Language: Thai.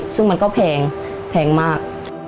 ซึ่งมันก็แพงแพงมาก